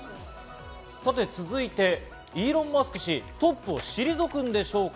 続いて、イーロン・マスク氏、トップを退くんでしょうか？